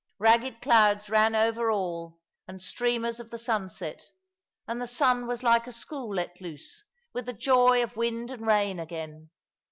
Ragged clouds ran over all, and streamers of the sunset; and the sky was like a school let loose, with the joy of wind and rain again.